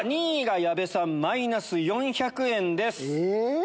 ２位が矢部さんマイナス４００円です。